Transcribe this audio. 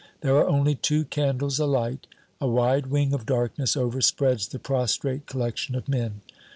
There are only two candles alight. A wide wing of darkness overspreads the prostrate collection of men.